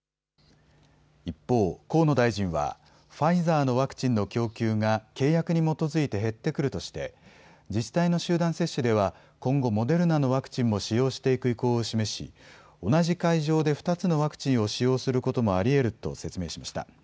一方、河野大臣はファイザーのワクチンの供給が契約に基づいて減ってくるとして自治体の集団接種では今後モデルナのワクチンも使用していく意向を示し同じ会場で２つのワクチンを使用することもありえると説明しました。